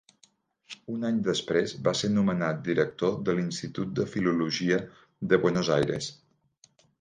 Un any després va ser nomenat director de l'Institut de Filologia de Buenos Aires.